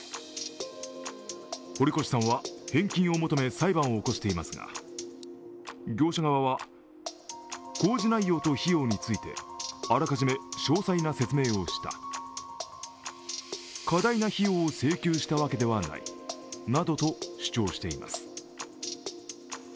堀越さんは返金を求め裁判を起こしていますが、業者側は、工事内容と費用についてあらかじめ詳細な説明をした、過大な費用を請求したわけではないなどと主張しています。